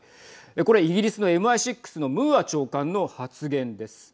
これ、イギリスのＭＩ６のムーア長官の発言です。